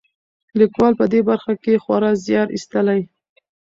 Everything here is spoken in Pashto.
لیکوال په دې برخه کې خورا زیار ایستلی.